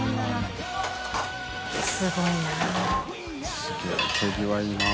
すごいな。